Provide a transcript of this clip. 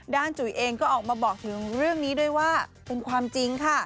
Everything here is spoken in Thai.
จุ๋ยเองก็ออกมาบอกถึงเรื่องนี้ด้วยว่าเป็นความจริงค่ะ